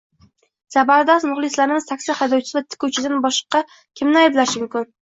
Zabardast muxlislarimiz taksi haydovchisi va tikuvchidan boshqa kimni ayblashlari mumkin?